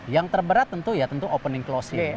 yang terberat tentu ya tentu opening closing